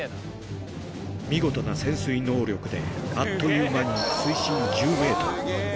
見事な潜水能力で、あっという間に水深１０メートル。